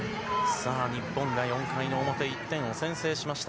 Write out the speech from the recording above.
さあ、日本が４回の表、１点を先制しました。